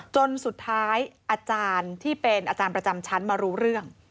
จนสุดท้ายอาจารย์ที่เป็นอาจารย์ประจำชั้นมารู้เรื่อง